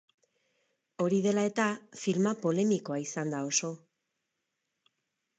Hori dela eta, filma polemikoa izan da oso.